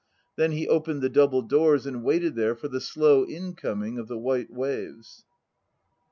Then he opened the double doors and waited there for the slow in coming of the white waves.